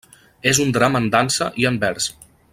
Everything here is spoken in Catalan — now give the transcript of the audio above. És un drama en dansa i en vers.